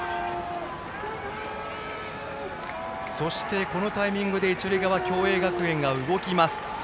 そして、このタイミングで一塁側、共栄学園が動きます。